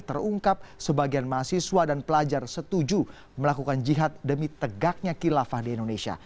terungkap sebagian mahasiswa dan pelajar setuju melakukan jihad demi tegaknya kilafah di indonesia